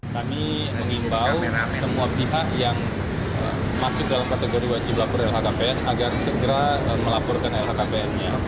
kami mengimbau semua pihak yang masuk dalam kategori wajib lapor lhkpn agar segera melaporkan lhkpn nya